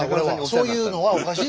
そういうのはおかしい。